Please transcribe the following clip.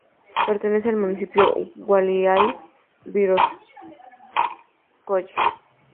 Pertenece al municipio Guliái-Borísovskoye.